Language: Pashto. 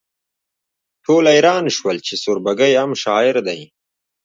ټول حیران شول چې سوربګی هم شاعر دی